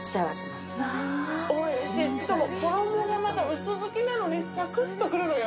しかも衣がまた薄づきなのにサクッとくるのよ